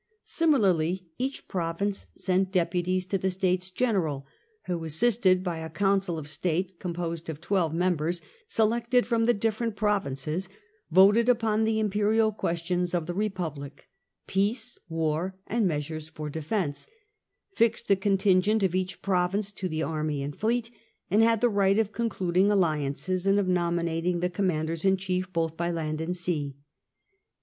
Similarly each province sent deputies to the States General, who, assisted by a Council of State composed of twelve members selected from the different provinces, voted upon the imperial questions of the Republic— peace, war, and measures for defence — fixed the contingent of each province to the army and fleet, and had the right of concluding alliances and of nominating the commanders in chief both by land and sea.